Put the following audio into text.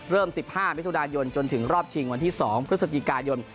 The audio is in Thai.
๑๕มิถุนายนจนถึงรอบชิงวันที่๒พฤศจิกายน